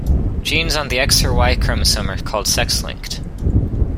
Genes on the X or Y chromosome are called sex-linked.